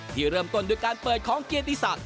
ที่เริ่มต้นด้วยการเปิดของเกียรติศักดิ